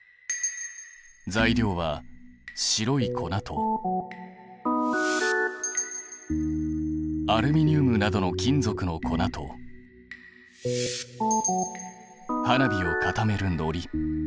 材料は白い粉とアルミニウムなどの金属の粉と花火を固めるのり。